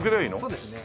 そうですね。